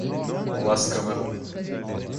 ласково